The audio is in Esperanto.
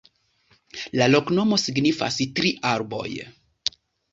La loknomo signifas: tri arboj.